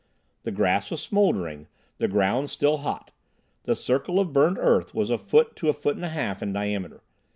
The grass was smouldering, the ground still hot. The circle of burned earth was a foot to a foot and a half in diameter.